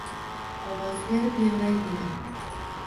Ovoz berib, yig‘lay, dedi.